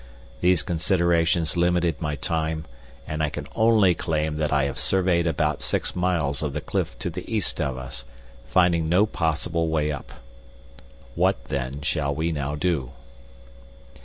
These considerations limited my time, and I can only claim that I have surveyed about six miles of the cliff to the east of us, finding no possible way up. What, then, shall we now do?"